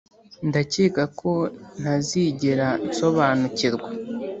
ndakeka ko ntazigera nsobanukirwa,